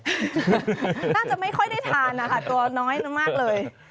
น่าจะไม่ค่อยได้ทานนะคะตัวน้อยมากเลย